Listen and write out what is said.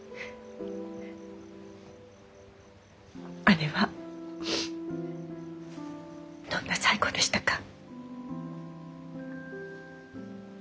姉はどんな最期でしたか？